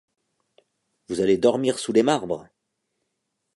Vous allez dormir sous les marbres !